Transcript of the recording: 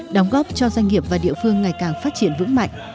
đóng góp cho doanh nghiệp và địa phương ngày càng phát triển vững mạnh